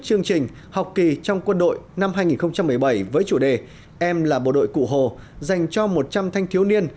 chương trình học kỳ trong quân đội năm hai nghìn một mươi bảy với chủ đề em là bộ đội cụ hồ dành cho một trăm linh thanh thiếu niên